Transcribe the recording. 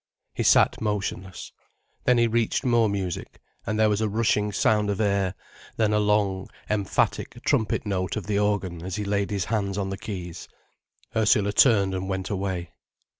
He sat motionless. Then he reached more music, and there was a rushing sound of air, then a long, emphatic trumpet note of the organ, as he laid his hands on the keys. Ursula turned and went away.